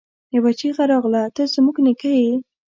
يوه چيغه راغله! ته زموږ نيکه يې!